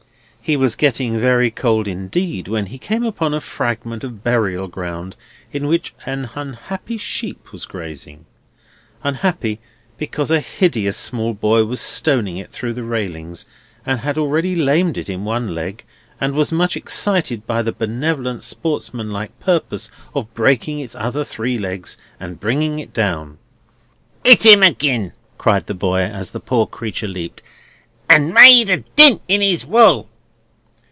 He was getting very cold indeed when he came upon a fragment of burial ground in which an unhappy sheep was grazing. Unhappy, because a hideous small boy was stoning it through the railings, and had already lamed it in one leg, and was much excited by the benevolent sportsmanlike purpose of breaking its other three legs, and bringing it down. "'It 'im agin!" cried the boy, as the poor creature leaped; "and made a dint in his wool."